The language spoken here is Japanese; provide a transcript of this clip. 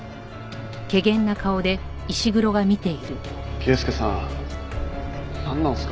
圭介さんなんなんすか？